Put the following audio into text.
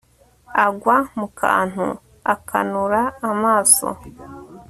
agwa mukantu akanura amaso